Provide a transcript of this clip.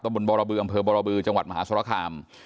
ต้มบุญบอรบืออำเภอบอรบือจังหวัดมหาศรภาคาม